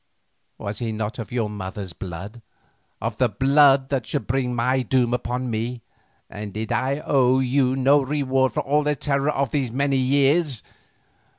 "Was he not of your mother's blood, of the blood that should bring my doom upon me, and did I owe you no reward for all the terrors of these many years?